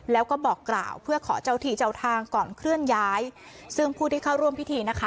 แล้วก็บอกกล่าวเพื่อขอเจ้าที่เจ้าทางก่อนเคลื่อนย้ายซึ่งผู้ที่เข้าร่วมพิธีนะคะ